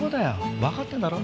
わかってんだろ？